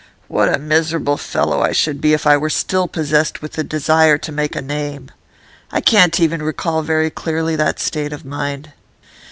What a miserable fellow I should be if I were still possessed with the desire to make a name! I can't even recall very clearly that state of mind.